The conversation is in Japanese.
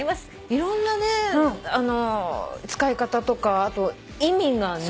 いろんな使い方とかあと意味がね